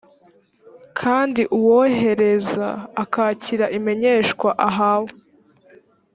kandi uwohereza akakira imenyeshwa ahawe